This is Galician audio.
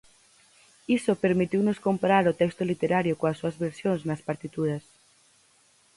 Iso permitiunos comparar o texto literario coas súas versións nas partituras.